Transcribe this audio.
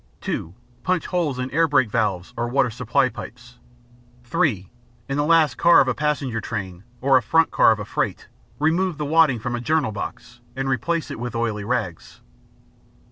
(2) Punch holes in air brake valves or water supply pipes. (3) In the last car of a passenger train or or a front car of a freight, remove the wadding from a journal box and replace it with oily rags.